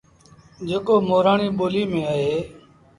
جيڪو مورآڻي ٻوليٚ ميݩ اهي